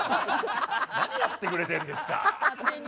何やってくれてんですか。